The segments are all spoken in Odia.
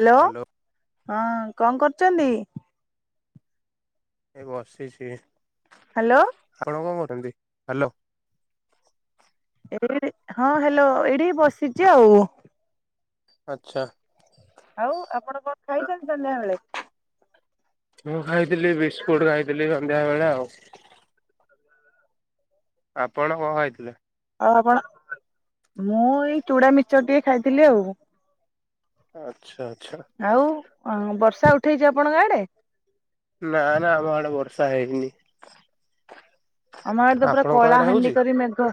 ହ୍ୟାଲୋ ହଁ କଣ କରୁଛନ୍ତି? ଏ ବସିଛି। ହ୍ୟାଲୋ। ଆପଣ କଣ କରୁଛନ୍ତି? ହ୍ୟାଲୋ। ଏଇ ହଁ ହଲୋ ଏଇଠି ବସିଛି ଆଉ। ଆଛା। ଆଉ ଆପଣ କଣ ଖାଇଛନ୍ତି ସନ୍ଧ୍ୟାବେଳେ? ମୁଁ ଖାଇଥିଲି ବିସ୍କୁଟ ଖାଇଥିଲି ସନ୍ଧ୍ୟା ବେଳେ ଆଉ। ଆପଣ କଣ ଖାଇଥିଲେ? ଆଉ ଆପଣ? ମୁଁ ଏଇ ଚୁଡା, ମିର୍ଚର ଟିକେ ଖାଇଥିଲି ଆଉ। ଆଛା, ଆଛା। ଆଉ ଆଁ ବର୍ଷା ଉଠେଇଛି ଆପଣଙ୍କ ଆଡେ? ନା, ନା ଆମ ଆଡେ ବର୍ଷା ହେଇନି। ଆମ ଆଡ ତ ପୁରା ଆପଣଙ୍କ କଳା ଆଡେ ହାଣ୍ଡି ହଉଛି? କରି ମେଘ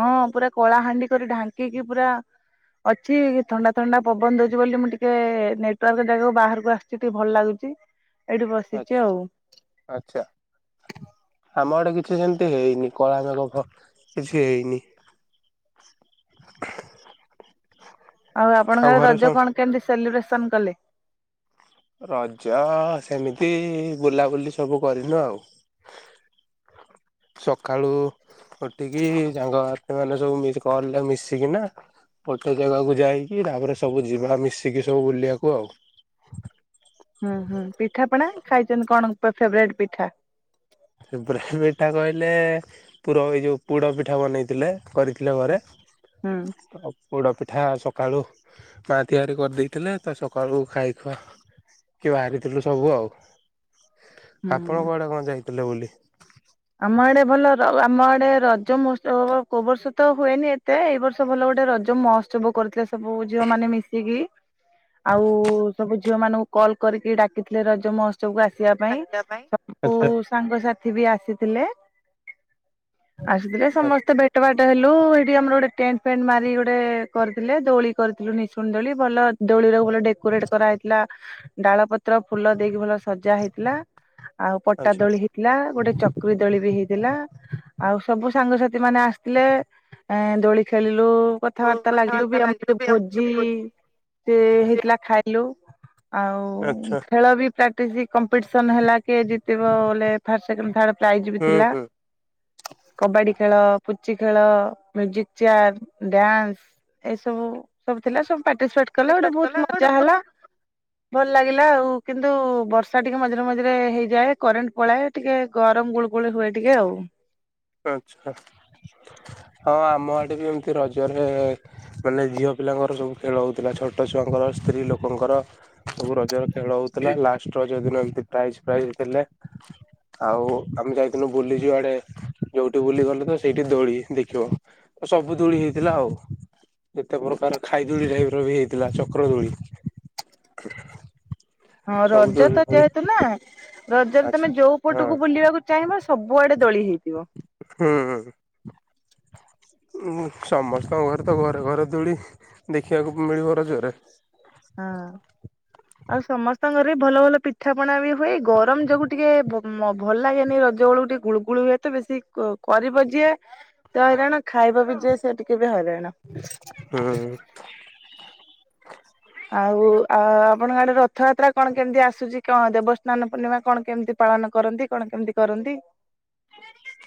ହଁ ପୁରା କଳାହାଣ୍ଡି କରି ଢାଙ୍କିକି ପୁରା ଅଛି ଥଣ୍ଡା ଥଣ୍ଡା ପବନ ଦଉଛି ବୋଲି ମୁଁ ଟିକେ ନେଟୱାର୍କ ଜାଗାକୁ ବାହାରକୁ ଆସିୁଛି ଟିକେ ଭଲ ଲାଗୁଛି। ଏଇଠି ଆଚ୍ଛା ବସିଛି ଆଉ। ଆଚ୍ଛା। ଆମ ଆଡେ କିଛି ସେମିତି ହେଇନି କଳ ମେଘ କିଛି ହେଇନି। [inaudible] ଆଉ ଆପଣଙ୍କ ଆଡେ ଘରେ ରଜ ସବୁ କଣ କେମିତି ସେଲିବ୍ରେସନ କଲେ? ରଜ ସେମିତି ବୁଲାବୁଲି ସବୁ କରିନୁ ଆଉ। ସକାଳୁ ଉଠିକି ସାଙ୍ଗଥି ମାନେ ସବୁ କିଲେ ମିଶିକିନା। ପଚ ଜାଗାକୁ ଯାଇକି ତାପରେ ସବୁ ଯିବା ମିଶିକି ସବୁ ବୁଲିବାକୁ ଆଉ। ହୁଁ ହୁଁ ପିଠା ପଣା ଖାଇଛନ୍ତି କଣ ଫେବରଟ ପିଠା? ବ୍ରେନ୍ ପିଠା କହିଲେ ପୁର ଏଇ ଯେଉଁ ପୋଡ଼ ପିଠା ବନେଇଥିଲେ। କରିଥିଲେ ଘରେ। ହୁଁ। ଆ ପୋଡ଼ପିଠା ସକାଳୁ ମା ତିଆରି କରିଦେଇଥିଲେ, ତ ସକାଳୁ ଖାଇ ଖୁଆ କିଏ ବାହାରିଥିଲୁ ସବୁ ଆଉ ଆପଣ ହୁଁ କୁଆଡେ କଣ ଯାଇଥିଲେ ବୁଲି। ଆମ ଆଡେ ଭଲ ର ଆମ ଆଡେ ରଜ ମହୋସ୍ତବ କୋଉ ବର୍ଷ ତ ହୁଏନି ଏତେ ଏଇ ବର୍ଷ ଭଲ ଗୋଟେ ରଜ ମହୋତ୍ସବ କରିୁଥିଲେ ସବୁ ଝିଅ ମାନେ ମିଶିକି। ଆଉ ସବୁ ଝିଅ ମାନଙ୍କୁ କଲ୍ କରିକି ଡାକିଥିଲେ ରଜମ କୁ ଆସିବା ପାଇଁ ସବୁ ଆଚ୍ଛା ସାଙ୍ଗସଥି ବି ଆସିଥିଲେ। ଆସଥିଲେ ସମସ୍ତେ ବେଟ ବାଟ ହେଲୁ ସେଠି ଆମର ଗୋଟେ ଟେଣ୍ଟ ଫେଣ୍ଟ ମାରି ଗୋଟେ କରିଥିଲେ। ଦୋଳି କରିଥିଲୁ ନିଶୁଣ ଦୋଳି ଭଲ ଦୋଳି ରକୁ ଭଲ ଡେକୋରେଟ କରାହେଇଥିଲା ଡାଳ ପତ୍ର ଫୁଲ ଦେଇକି ଭଲ ସଜା ହେଇଥିଲା। ଆଉ ପଟା ଆଚ୍ଛା ଦୋଳି ହେଇଥିଲା। ଗୋଟେ ଚ କ ଦୋଳି ବି ହେଇଥିଲା ଆଉ ସବୁ ସାଙ୍ଗସଥି ମାନେ ଆସିଥିଲେ। ଏ ଦୋଳି ଖେଳିଲୁ କଥାବାର୍ତ୍ତା ଲାଗିଲୁ ବି ଆମର ଟିକେ ଭୋଜି ସେ ହେଇଥିଲା ଖାଇଲୁ। ଆଉ ଆଚ୍ଛା ଖେଳ ବି ପ୍ରାକ୍ଟିସ କମ୍ପିଟିସନ ହେଲା କି ଜିତିବଲେ ଫଷ୍ଟ, ସେକେଣ୍ଡ, ଥାର୍ଡ। ପ୍ରାଇଜ ବିି ହୁଁ ଥିଲା। ହୁଁ କବାଡି ଖେଳ, ପୁଚି ଖେଳ, ମ୍ୟୁଜିକ ଚେୟାର, ଡ୍ୟାନ୍ସ ଏ ସବୁ ସବୁ ଥିଲା ସବୁ ପାର୍ଟିସିପେଟ କଲେ ଗୋଟେ ବହୁତ ମଜା ହେଲା। ଭଲ ଲାଗିଲା ଆଉ କିନ୍ତୁ ବର୍ଷା ଟିକେ ମଝିରେ ମଝିରେ ହେଇଯାଏ, କରେଣ୍ଟ ପଳାଏ, ଟିକେ ଗରମ ଗୋଳୁ ଗୋଳି ହୁଏ ଟିକେ ଆଉ। ଆଚ୍ଛା ଆଉ ଆମ ଆଡ଼େ ବି ଏମିତି ରଜରେ ମାନେ ଝିଅ ପିଲାଙ୍କର ସବୁ ଖେଳ ହଉଥିଲା, ଛୋଟ ଛୁଆଙ୍କର, ସ୍ତ୍ରୀ ଲୋକଙ୍କର ସବୁ ରଜରେ ଖେଳ ହଉଥିଲା, ଲାଷ୍ଟ ଷ୍ଟ ଯଉ ଦିନ ଏମତି ପ୍ରାଇଜ ପ୍ରାଇଜ ଦେଲେ, ଆଉ ଆମେ ଯାଇଥିଲୁ ବୁଲିଯୁ ଆଡ଼େ ଯୋଉଠି ବୁଲି ଗଲେ ତ ସେଇଠି ଦୋଳି ଦେଖିବ, ସବୁ ଦୋଳି ହେଇଥିଲା ଆଉ। କେତେ ପ୍ରକାର ଖାଇ ଦୋଳି ଟାଇପ ର ବି ହେଇଥିଲା ଚକ୍ର ଦୋଳି। ହଁ ସବୁ ରଜ ଦୋଳି ତ ଫୋଳି ଯେହେତୁ ନା ରଜରେ ଆଚ୍ଛା ତମେ ଯୋଉ ପଟକୁ ବୁଲିବାକୁ ଚାହିଁବ ସବୁଆଡେ ଦୋଳି ହେଇଥିବ। ହୁଁ ସମସ୍ତଙ୍କ ଘରେ ତ ଘରେ ଘରେ ଦୋଳି। ଦେଖିବାକୁ ମିଳିବ ରଜରେ। ହଁ। ଆଉ ସମସ୍ତଙ୍କ ଘରେ ଭଲ ଭଲ ପିଠା ପଣା ବି ହୁଏ, ଗରମ ଯୋଗୁ ଟିକେ ଭ ଭଲ ଲାଗେନି ରଜ ବେଳୁ। ଟିକେ ଗୁଳୁଗୁଳ ହୁଏ ତ ବେଶୀ କରିବ ଯିଏ ସେ ହଇରାଣ ଖାଇବ ବି ଯିଏ ସେ ଟିକେ ବି ହଇରାଣ। ହୁଁ। ଆଉ ଆ ଆପଣଙ୍କ ଆଡେ ରଥଯାତ୍ରା କଣ କେମିତି ଆସୁଛି, କଣ ଦେବସ୍ନାନ ପୂର୍ଣ୍ଣିମା କଣ କେମିତି ପାଳନ କରନ୍ତି? କଣ କେମିତି କରନ୍ତି?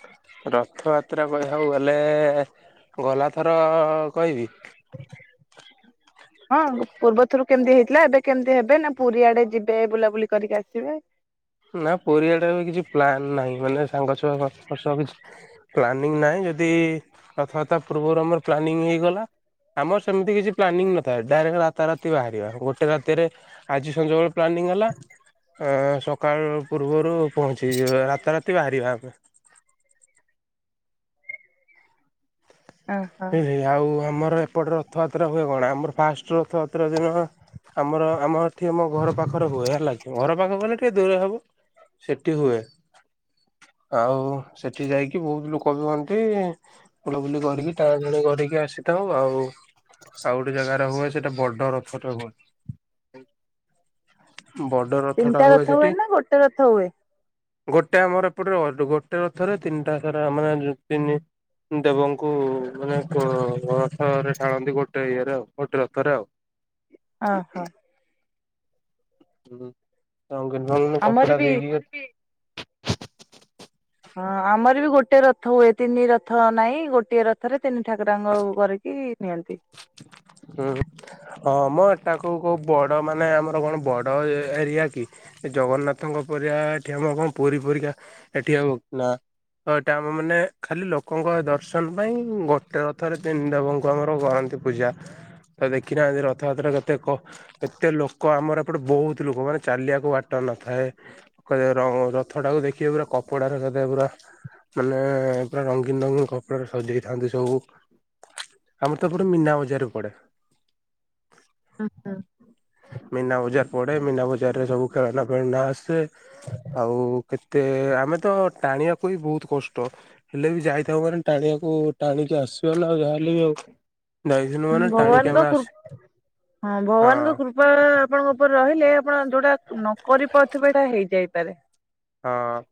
ହଁ ରଥଯାତ୍ରା କହିବାକୁ ଗଲେ ଗଲାଥର କହିବି? [inaudible] ହଁ ପୂର୍ବ ଥରୁ କେମିତି ହେଇଥିଲା, ଏବେ କେମିତି ହେବେ, ନା ପୁରୀ ଆଡେ ଯିବେ ବୁଲାବୁଲି କରିକି ଆସିବେ। ନା ପୁରିଆଡେ ଏବେ କିଛି ପ୍ଲାନ ନାହିଁ, ମାନେ ସାଙ୍ଗ ଛୁଆଙ୍କ ହସ କିଛି ପ୍ଲାନିଂ ନହିଁ ଯଦି ରଥଯାତ୍ରା ପୂର୍ବରୁ ଆମର ପ୍ଲାନିଂ ହେଇଗଲା। ଆମର ସେମିତି କିଛି ପ୍ଲାନିଂ ନଥାଏ ଡାଇରେକ୍ଟ ରାତାରାତି ବାହାରିବା, ଗୋଟେ ରାତିରେ ଆଜି ସଞ୍ଜ ବେଳେ ପ୍ଲାନିଂ ହେଲା ସକାଳ ପୂର୍ବରୁ ପହଞ୍ଚିଯିବା, ରାତାରାତି ବାହାରିବା ଆମେ। ଓହୋ ହେଁ ହେଁ। ଆଉ ଆମର ଏପଟେ ରଥଯାତ୍ରା ହୁଏ କଣ ଆମର ଫାଷ୍ଟ ରଥଯାତ୍ରା ଦିନ ଆମର ଆମର ସେଠି ଆମ ଘର ପାଖରେ ହୁଏ ହେଲା କି, ଘର ପାଖ ଗଲେ ଟିକେ ଦୂରେ ହବ ସେଠି ହୁଏ। ଆଉ ସେଠି ଯାଇକି ବହୁତ ଲୋକ ବି ହୁଅନ୍ତି, ବୁଲାବୁଲି କରିକି ତା ଜଣ କରିକି ଆସିଥାଉ ଆଉ। ସେ ଆଉ ଗୋଟେ ଜାଗାରେ ହୁଏ ସେଇଟା ବଡ ରଥଟେ ହୁଏ। ହ ବର୍ଡ଼ର। ତିନିଟା ରଥ ହୁଏ ନା ଗୋଟେ ରଥ ହୁଏ? ଗୋଟେ ଆମର ଏପଟେ ଗୋଟେ ରଥରେ ତିନିଟା ସାରା ମାନେ ତିନି ଦେବଙ୍କୁ ମାନେ କୋ ରଥରେ ଟାଣନ୍ତି ଗୋଟେ ଇଏରେ ଆଉ ଗୋଟେ ରଥରେ ଆଉ। ଅ ହ। ହୁଁ [unintelligible] ଆମର କପଡା ବି ଦେଇକି ହଁ ଆମର ବି ଗୋଟେ ରଥ ହୁଏ, ତିନି ରଥ ନାଇଁ ଗୋଟିଏ ର ଥରେ ତିନି ଠାକୁରାଙ୍କୁ କରିକି ନିଅନ୍ତି। ହୁଁ। ହଁ ମ ଏଟାକୋଉ କୋଉ ବଡ ମାନେ ଆମର କଣ ବଡ ଏରିଆ କି? ଜଗନ୍ନାଥଙ୍କ ପରିବା ଏଠି ଆମ କଣ ପୁରୀ ଫୁରୀ କା ଏଠି ଆଉ ନା। ତ ଏଇଟା ଆମ ମାନେ ଖାଲି ଲୋକଙ୍କ ଦର୍ଶନ ପାଇଁ ଗୋଟେ ରଥରେ ତିନି ଦେବଙ୍କୁ ଆମର କରନ୍ତି। ପୂଜା ତ ଦେଖିନାହାନ୍ତି ରଥଯାତ୍ରା କେତେକ ଏତେ ଲୋକ ଆମର ଏପଟେ ବହୁତ୍ ଲୋକ ମାନେ ଚାଲିବାକୁ ବାଟ ନଥାଏ। କରିବାର ରଥ ଟାକୁ ଦେଖିବେ ପୁରା କପଡାରେ କରିବେ ପୁରା। ମାନେ ପୁରା ରଙ୍ଗୀନ୍ ରଙ୍ଗୀନ୍ କପଡାରେ ସଜେଇଥାନ୍ତି ସବୁ। ଆମେ ତାକୁ ମିନା ବଜାର ପଡେ। ହ ହ। ମୀନା ବଜାର ପଡେ। ମୀନା ବଜାର ରେ ସବୁ ଖେଳନା ଫେଳନା ଆସେ। ଆଉ କେତେ ଆମେ ତ ଟାଣିବାକୁ ବିି ବହୁତ୍ କଷ୍ଟ। ହେଲେ ବି ଯାଇଥାଉ ମାନେ ଟାଣିବାକୁ ଟାଣିକି ଆସିବ ନା ଯାହା ହେଲେ ବି ଆଉ। ଯାଇଥିଲୁ ହୁଁ ମାନେ ଟାଣିକି ଭଗବାନଙ୍କ ଆମେ କୃ ଆସି ହଁ ହଁ ଭଗବାନଙ୍କ କୃ କୃପାଆପଣଙ୍କ ଉପରେ ରହିଲେ ଆପଣ ଯୋଉଟା ନ କରି ପାରୁଥିବେ ହେଇଟା ହେଇଯାଇପାରେ। ହଁ।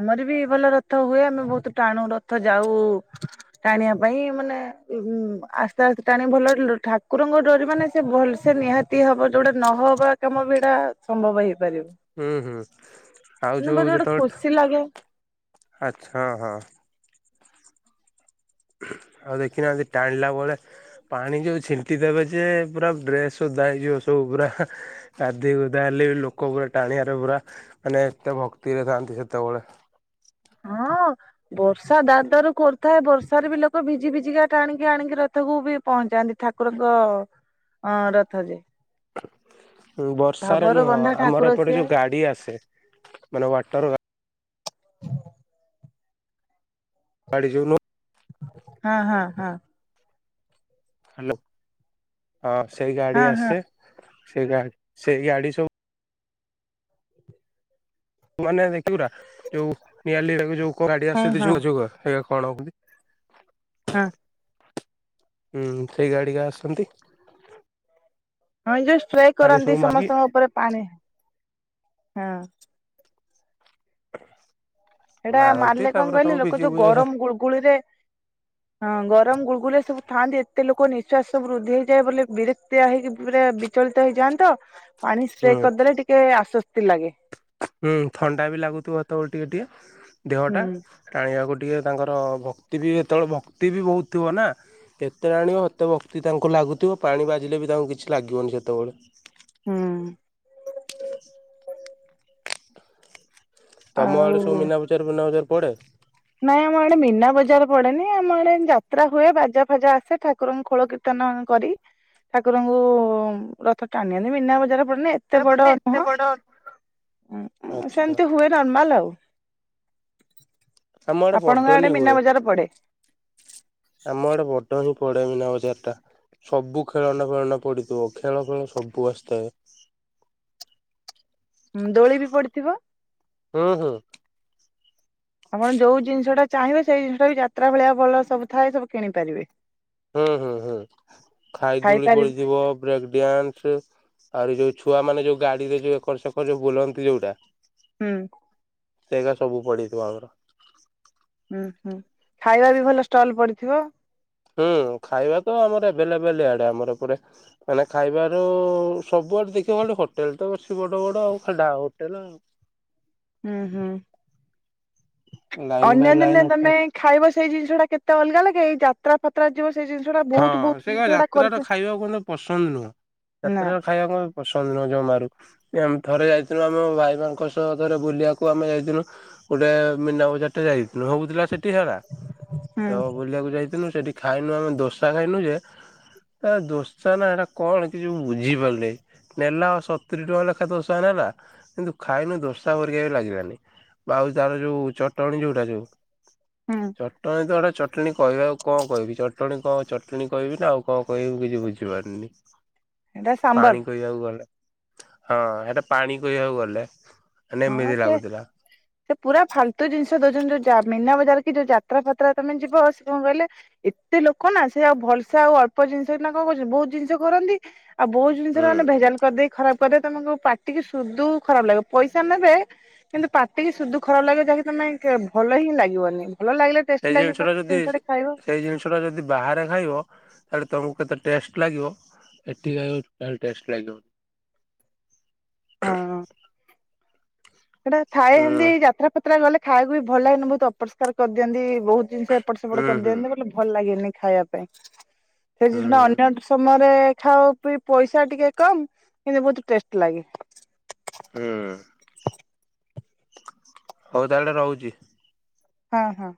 ଆମର ବି ଭଲ ରଥ ହୁଏ। ଆମେ ବହୁତ୍ ଟାଣୁ ରଥ ଯାଉ ଟାଣିବା ପାଇଁ ମାନେ ଉଁ ଆସ୍ତେ ଆସ୍ତେ ଟାଣିକି ଭଲ ଠାକୁରଙ୍କ ଡୋରି ମାନେ ସେ ଭଲ୍ ସେ ନିହାତି ହବ ଯୋଉଟା ନହବା କାମ ଭିଡା ସମ୍ଭବ ହେଇପାରିବ। ହୁଁ ହୁଁ ଆଉ ମାନେ ଯୋଉ ବୋଧେ ଗୋଟେ ଯେତେବେଳେ ଖୁସି ଲାଗେ ଠା ଆଛା ହଁ। ଆଉ ଦେଖିନାହାନ୍ତି ଟାଣିଲା ବଳେ? ପାଣି ଯୋଉ ଛିଣ୍ଟି ଦେବେ ଯେ ପୁରା ଡ୍ରେସ୍ ଓଦା ହେଇଯିବ ସବୁ ପୁରା। ଗାଧି ଗୁଧା ହେଲେଵି ଲୋକ ପୁରା ଟାଣିବାରେ ପୁରା ମାନେ ଏତେ ଭକ୍ତିରେ ଥାଆନ୍ତି ସେତେବେଳେ। ହଁ। ବର୍ଷା ଦାରୁ ଦାରୁ କୋରୁଥାଏ ବର୍ଷାରେ ବି ଲୋକ ଭିଜି ଭିଜିିକା ଟାଣିକି ଆଣିକି ରଥକୁ ବି ପହଞ୍ଚାନ୍ତି ଠାକୁରଙ୍କ ଅ ଅଁ ରଥରେ। ବର୍ଷାରେ ନୁହଁ ବନ୍ଧା ଆମର ଠାକୁର ଏପଟେ ସିଏ ଯୋଉ ଗାଡି ଆସେ ମାନେ ୱାଟର ଗା ଗାଡିଜୁମୁ ହଁହଁ ହଁ‌। ହ୍ୟାଲୋ ହଁ ସେଇ ଗାଡି ହଁ ହଁ ଆସେ ସେ ଗା ସେଇ ଗାଡି ସବୁ ମାନେ ଦେଖିବୁରା ଯୋଉ ନିଆଲିରେ ଯୋଉ କରାଣ୍ଡି ହଁ ଆସେ ହଁ ଯୁଗ ଯୁଗ। ଇଏ କଣ? ହଁ। ହୁଁ ସେଇ ଗାଡିକା ଆସନ୍ତି। ହଁ ଯୋଉ ପାଣି ଷ୍ଟ୍ରେକରନ୍ତି ସବୁ ମାଗି ସମସ୍ତଙ୍କ ଉପରେ ପାଣି ହଁ। ସେଟା ମାରନ୍ତି ମାରିଲେ କଣ ତାପରେ କହିଲେ ସବୁ ଲୋକ ଭିଜି ଯୋଉ ଭୁଜା ଗରମ ଗୁଳୁଗୁଳିରେ ହଁ ଗରମ ଗୁଳୁଗୁଳି ସବୁ ଥାନ୍ତି ଏତେ ଲୋକ ନିଃଶ୍ୱାସ ସବୁ ବୃଦ୍ଧି ହେଇଯଏ ବୋଲି ବିରକ୍ତିଆ ହେଇକି ପୁରା ବି ଚଳିତ ହେଇଯାଆନ୍ତିତ ପାଣି ସ୍ପ୍ରେ ହୁଁ କରିଦେଲେ ଟିକେ ଆଶ୍ଵସ୍ତି ଲାଗେ। ହୁଁ ଥଣ୍ଡା ବି ଲାଗୁଥିବ ତ ଟିକେ ଟିକେ ଦେହଟା ହୁଁ ଟାଣିବାକୁ ଟିକେ ତାଙ୍କର ଭକ୍ତି ବି ଯେତେବେଳେ ଭକ୍ତି ବି ବହୁତ ଥିବ ନା। କେତେ ଆଣିବ ଏତେ ଭକ୍ତି ତାଙ୍କୁ ଲାଗୁଥିବ ପାଣି ବାଜିଲେ ବି ତାଙ୍କୁ କିଛି ଲାଗିବନି ସେତେବେଳେ। ହୁଁ। ତମ ଆଡେ ସବୁ ଆଉ ମିନା ବଜାର ବିନାବଜାର ପଡେ? ନାଇଁ ଆମ ଆଡେ ମିନା ବଜାର ପଡେନି। ଆମ ଆଡେ ଯାତ୍ରା ହୁଏ ବାଜା ଫାଜା ଆସେ। ଠାକୁରଙ୍କୁ ଖୋଳ କି ର୍ତ୍ତନ କରି ଠାକୁରଙ୍କୁ ରଥ ଟାଣିନେଲେ ମିନା ବଜାର ପଡିଲେ ଏତେ ବଡ ନୁହଁ ଆଚ୍ଛା ସେମିତି ହୁଏ ନର୍ମାଲ ଆଉ। ଆମ ଆପଣଙ୍କ ଆଡେ ବଡନି ମୀନା ହୁଏ ବଜାର ପଡେ? ଆମ ଆଡେ ବଡ ହିଁ ପଡେ ମିନା ବଜ଼ାରଟା। ସବୁ ଖେଳନା ଫେଳନା ପଡିଥିବ ଖେଳ ଫେଳ ସବୁ ଆସିଥାଏ। ଉଁ ଦୋଳିବି ପଡିଥିବ। ହୁଁ ହୁଁ। ଆପଣ ଯୋଉ ଜିନିଷଟା ଚାହିଁବେ ସେଇ ଜିନିଷଟା ବି ଯାତ୍ରା ଭଳିଆ ଭଲ ସବୁ ଥାଏ ସବୁ କିଣିପାରିବେ। ହୁଁ ହୁଁ ହୁଁ ଖାଇ ଦୌଳି ଖାଇପାରିବେ ପଡିଥିବ ବ୍ରେକ ଡ୍ୟାନ୍ସ। ଆହୁରି ଯୋଉ ଛୁଆମାନେ ଯୋଉ ଗାଡିରେ ଯୋଉ ଏକର ସେକର ଯୋଉ ବୁଲନ୍ତି ଯୋଉଟା ହୁଁ। ସେଇଗା ସବୁ ପଡିଥିବ ଆମର। ହୁଁ ହୁଁ ଖାଇବା ବି ଭଲ ଷ୍ଟଲ ପଡିଥିବ। ହୁଁ ଖାଇବା ତ ଆମର ବେଲେ ବେଲେ ଆଡେ ଆମର ପୁରା। ମାନେ ଖାଇବାର ସବୁଆଡେ ଦେଖିବା ଖାଲି ହୋଟେଲ ତ ଅଛି ବଡ ବଡ ଆଉ ଖାଲି ଢା ହୋଟେଲ ଆଉ। ହୁଁ ହୁଁ ଆଉ। ଲାଇନ ଅନ୍ୟ ବାଇ ଦିନେ ଲାଇନ ହୋଟେଲ ତମେ ଖାଇବ ସେଇ ଜିନିଷଟା କେତେ ଅଲଗା ଲାଗେ ଏଇ ଯାତ୍ରା ଫାତ୍ରା ଯିବ ସେ ହଁ ସେ ଏକା ଯାତ୍ରା ଟା ଖାଇବାକୁ ମତେ ପସନ୍ଦ ନୁହଁ ନା ଯାତ୍ରା ଖାଇବାକୁ ମତେ ପସନ୍ଦ ନୁହଁ ଜମାରୁ। ଏମ ଥରେ ଯାଇଥିଲୁ ଆମ ଭାଇମାନଙ୍କ ସହ ଥରେ ବୁଲିବାକୁ ଆମେ ଯାଇଥିଲୁ ଗୋଟେ ମିନା ବଜାରଟେ ଯାଇଥିଲୁ ହୋଉଥିଲା ସେଠି ଠି ହେଲା ତ ହୁଁ ବୁଲିବାକୁ ଯାଇଥିନୁ ସେଠି ଖାଇନୁ ଆମେ ଦୋସା ଖାଇନୁ ଯେ ତା ଦୋଷ ନା ହେଟା କଣ କିଛି ମୁଁ ବୁଝିପାରିଲିନେଇ। ନେଲା ସତୁରି ଟଙ୍କା ଲେଖା ଦୋଶା ନେଲା କିନ୍ତୁ ଖାଇନୁ ଦୋସା ପରିକା ବି ଲାଗିଲାନି। ଆଉ ତାର ଯୋଉ ଚଟଣୀ ଯୋଉଟା ଯୋଉ ହୁଁ ଚଟଣୀ ତ ହେଟା ଚଟଣୀ କହିବା ଆଉ କଣ କହିବି ଚଟଣୀ କଣ ଚଟଣୀ କହିବି ନା ଆଉ କଣ କହିବି ମୁଁ କିଛି ବୁଝିପାରୁନି ଏଇଟା ସାମ୍ବର ପାଣି କହିବାକୁ ଗଲେ। ହଁ ହେଟା ପାଣି କହିବାକୁ ଗଲେ ମାନେ ହଁ ଏମିତି ସେ ଲାଗୁଥିଲା। ସେ ପୁରା ଫାଲତୁ ଜିନିଷ ଦଉଛନ୍ତି ଯୋଉ ଯା ମିନା ବଜାର କି ଯୋଉ ଯାତ୍ରା ଫାତ୍ରା ତମେ ଯିବ ସେ କଣ କହିଲେ ଏତେ ଲୋକ ନା ସେ ଆଉ ଭଲସେ ଆଉ ଅଳ୍ପ ଜିନିଷନା କଣ କରୁଛନ୍ତି ବହୁତ ଜିନିଷ କରନ୍ତି ଆଉ ବହୁତ ହୁଁ ଜିନିଷରା ମାନେ ଭେଜାଲ କରିଦେଇକି ଖରାପ କରିଦେବେ ତମକୁ ପାଟିକି ସୁଦୁ ଖରାପ ଲାଗିବ ପଇସା ସା ନେବେ କିନ୍ତୁ ପାଟିକି ସୁଦୁ ଖରାପ ଲାଗିବ ଯାହାକି ତମେ ଭଲ ହିଁ ଲାଗିବନି ଭଲ ଲାଗିଲେ ଟେଷ୍ଟ ଲାଗିଲେ ତମେ ଜିନିଷଟେ ଖାଇବ। ହେରା ଯଦି ବାହାରେ ଖାଇବ ତାହାଲେ ତମକୁ କେତେ ଟଷ୍ଟ ଲାଗିବ। ଏଠି ଖାଇବ ଟୋଟାଲ ଟେଷ୍ଟ ଲାଗିବନି। ହଁ। ସେଟା ଥାଏ ଏମତି ହୁଁ ଯାତ୍ରା ଫତ୍ରା ଗଲେ ଖାଇବାକୁ ବି ଭଲ ଲାଗେନି ବହୁତ ଅପରିଷ୍କାର କରିଦିଅନ୍ତି ବହୁତ ଜିନିଷ ଏପଟ ସେପଟ ହୁଁ ହୁଁ କରିଦିଅନ୍ତି ବୋଲେ ଭଲ ଲାଗେନି ଖାଇବା ପାଇଁ। ସେ ହୁଁ ଜିନିଷଟା ଅନ୍ୟ ସମୟରେ ରେ ଖାଅ ପି ପଇସା ଟିକେ କମ କିନ୍ତୁ ବହୁତ ଟେଷ୍ଟ ଲାଗେ। ହୁଁ ହୋଉ ତାହେଲେ ରହୁଛି। ହଁ ହଁ।